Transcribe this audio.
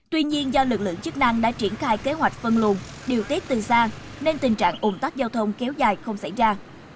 tuy nhiên do lực lượng chức năng đã triển khai kế hoạch phân luồn điều tiết từ xa nên tình trạng ủng tắc giao thông kéo dài không xảy ra